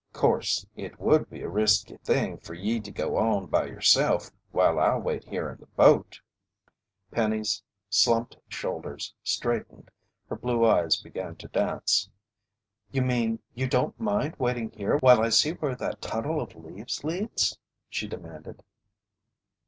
"'Course it would be a risky thing fer ye to go on by yerself while I wait here in the boat " Penny's slumped shoulders straightened. Her blue eyes began to dance. "You mean you don't mind waiting here while I see where that tunnel of leaves leads?" she demanded.